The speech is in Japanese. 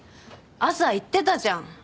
朝言ってたじゃん。